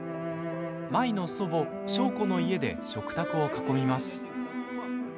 舞の祖母、祥子の家で食卓を囲みます。